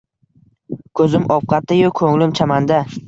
Ko‘zim ovqatda-yu, ko‘nglim chamanda